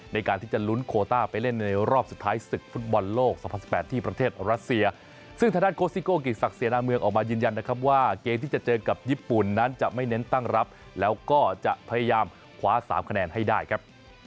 ในการที่จะลุ้นโคต้าไปเล่นในรอบสุดท้ายศึกฟุตบอลโลก๒๐๑๘ที่ประเทศรัสเซียซึ่งทางด้านโคสิโก้กิจศักดิเสนาเมืองออกมายืนยันนะครับว่าเกมที่จะเจอกับญี่ปุ่นนั้นจะไม่เน้นตั้งรับแล้วก็จะพยายามคว้า๓คะแนนให้ได้ครับ